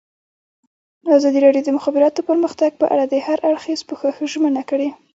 ازادي راډیو د د مخابراتو پرمختګ په اړه د هر اړخیز پوښښ ژمنه کړې.